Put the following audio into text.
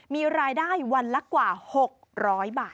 มีรายได้วันละกว่า๖๐๐บาท